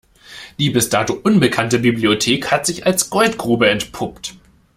Die mir bis dato unbekannte Bibliothek hat sich als Goldgrube entpuppt.